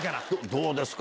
どうですか？